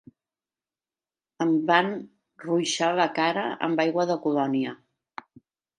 Em van ruixar la cara amb aigua de Colònia.